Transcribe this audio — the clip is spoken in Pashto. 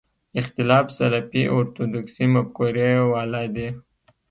اختلاف سلفي اورتودوکسي مفکورې والا دي.